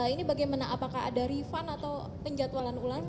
ini bagaimana apakah ada refund atau penjatualan ulang